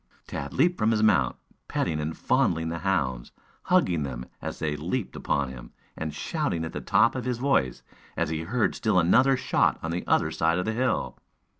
Tad leaped from his mount, petting and fondling the hounds, hugging them as they leaped upon him, and shouting at the top of his voice, as he heard still another shot on the other side of the hill.